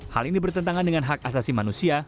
hal ini bertentangan dengan hak asasi manusia